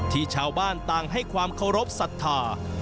ชาวบ้านต่างให้ความเคารพสัทธา